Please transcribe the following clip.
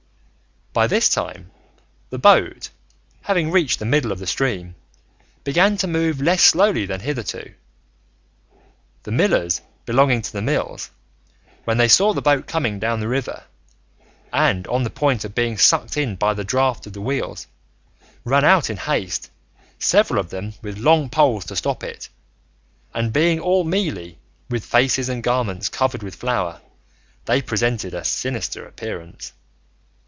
By this time, the boat, having reached the middle of the stream, began to move less slowly than hitherto. The millers belonging to the mills, when they saw the boat coming down the river, and on the point of being sucked in by the draught of the wheels, ran out in haste, several of them, with long poles to stop it, and being all mealy, with faces and garments covered with flour, they presented a sinister appearance.